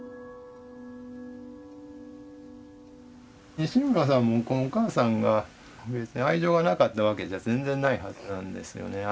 西村さんもこのお母さんが別に愛情がなかったわけじゃ全然ないはずなんですよね。